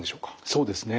そうですね。